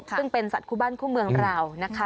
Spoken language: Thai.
ซึ่งเป็นสัตว์คู่บ้านคู่เมืองเรานะคะ